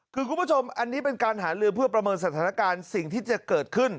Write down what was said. คือคุณผู้ชมอันนี้เป็นการหาลือเพื่อประเมินสถานการณ์สิ่งที่จะเกิดขึ้น